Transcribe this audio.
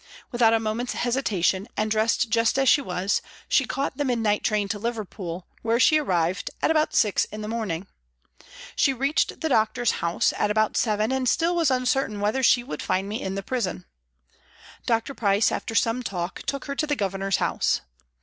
Without a moment's hesitation, and dressed just as she was, she caught the midnight train to Liverpool, where she arrived at about six in the morning. She reached the doctor's house at about seven and still was uncertain whether she would find me in the prison. Dr. Price, after some talk, took her to the Governor's house.